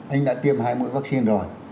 anh đã tiêm hai mũi vaccine rồi